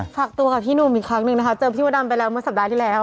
ฝากตัวกับพี่หนุ่มอีกครั้งหนึ่งนะคะเจอพี่มดดำไปแล้วเมื่อสัปดาห์ที่แล้ว